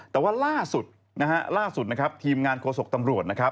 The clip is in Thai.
แต่ว่าล่าสุดทีมงานโครสกตำรวจ